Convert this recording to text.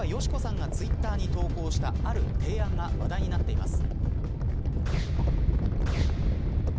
実は、佳子さんがツイッターに投稿した、ある提案が話題になっています。